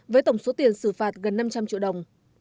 với tổng số tiền xử phạt gần năm trăm linh triệu đồng